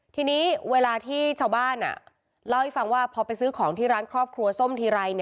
ทีนี้เวลาที่ชาวบ้านเล่าให้ฟังว่าพอไปซื้อของที่ร้านครอบครัวส้มทีไร